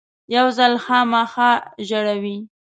یو ځل خامخا ژړوي .